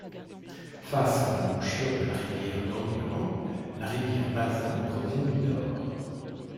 Face à l'embouchure de la rivière Dandurand, la rivière Bazin provient du nord.